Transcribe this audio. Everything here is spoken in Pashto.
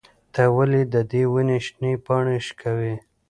ته ولې د دې ونې شنې پاڼې شوکوې؟